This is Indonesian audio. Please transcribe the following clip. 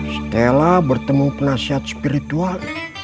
stella bertemu penasihat spiritual